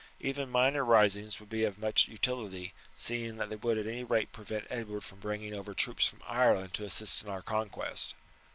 Even minor risings would be of much utility, seeing that they would at any rate prevent Edward from bringing over troops from Ireland to assist in our conquest.